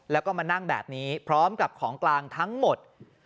แล้วก็มานั่งแบบนี้พร้อมกับของกลางทั้งหมด